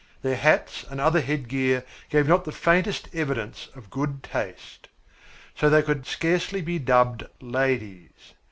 Their hats and other headgear gave not the faintest evidence of good taste. So they could scarcely be dubbed "ladies."